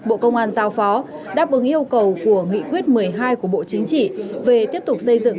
bộ công an giao phó đáp ứng yêu cầu của nghị quyết một mươi hai của bộ chính trị về tiếp tục xây dựng